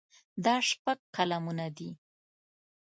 دا شپږ قلمونه دي.